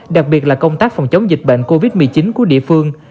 đặc biệt là công tác phòng chống dịch bệnh covid một mươi chín của địa phương